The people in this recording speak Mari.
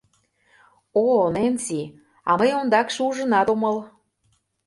— О, Ненси, а мый ондакше ужынат омыл!